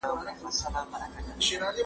استازي د ځوانانو لپاره د کار زمينه برابروي.